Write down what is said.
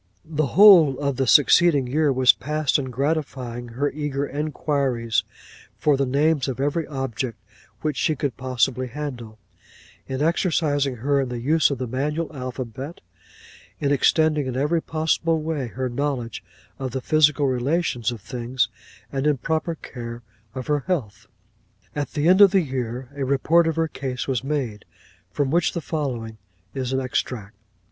'The whole of the succeeding year was passed in gratifying her eager inquiries for the names of every object which she could possibly handle; in exercising her in the use of the manual alphabet; in extending in every possible way her knowledge of the physical relations of things; and in proper care of her health. 'At the end of the year a report of her case was made, from which the following is an extract.